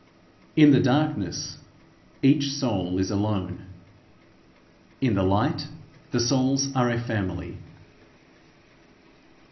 In the darkness each soul is alone; in the light the souls are a family.